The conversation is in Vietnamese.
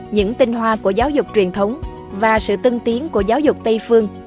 những tinh hoa của giáo dục truyền thống và sự tân tiến của giáo dục tây phương